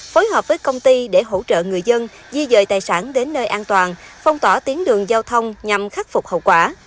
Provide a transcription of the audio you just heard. phối hợp với công ty để hỗ trợ người dân di dời tài sản đến nơi an toàn phong tỏa tiến đường giao thông nhằm khắc phục hậu quả